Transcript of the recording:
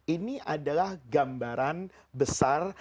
ini adalah gambaran besar